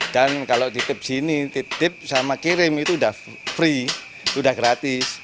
dan kalau titip sini titip sama kirim itu sudah free sudah gratis